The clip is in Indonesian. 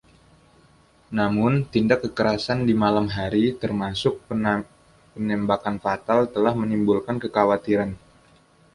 Namun, tindak kekerasan di malam hari, termasuk penembakan fatal, telah menimbulkan kekhawatiran.